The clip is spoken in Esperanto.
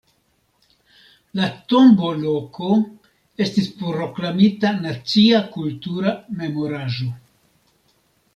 La tombo-loko estis proklamita nacia kultura memoraĵo.